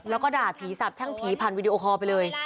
แล้วก็ด่าผีสับช่างผีผ่านวีดีโอคอลไปเลย